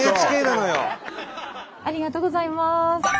ありがとうございます。